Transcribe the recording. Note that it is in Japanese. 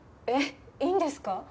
えっいいんですか？